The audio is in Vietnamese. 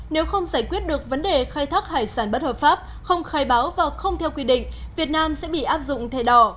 nếu không giải quyết được vấn đề khai thác hải sản bất hợp pháp không khai báo và không theo quy định việt nam sẽ bị áp dụng thẻ đỏ